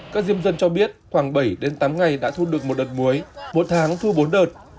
các diêm dân cho biết khoảng bảy đến tám ngày đã thu được một đợt muối một tháng thu bốn đợt